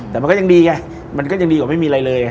แต่มันก็ยังดีไงมันก็ยังดีกว่าไม่มีอะไรเลย